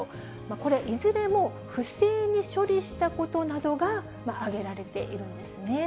これ、いずれも、不正に処理したことなどが挙げられているんですね。